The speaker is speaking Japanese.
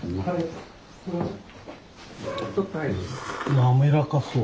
滑らかそう。